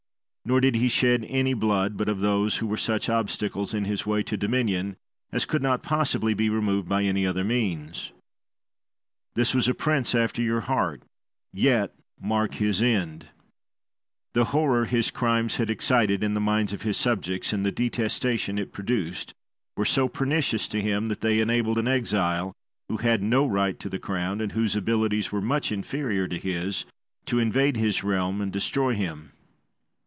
Nor did he shed any blood, but of those who were such obstacles in his way to dominion as could not possibly be removed by any other means. This was a prince after your heart, yet mark his end. The horror his crimes had excited in the minds of his subjects, and the detestation it produced, were so pernicious to him, that they enabled an exile, who had no right to the crown, and whose abilities were much inferior to his, to invade his realm and destroy him.